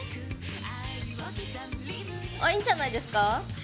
あっいいんじゃないですか。